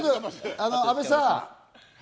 阿部さん。